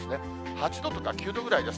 ８度とか９度ぐらいです。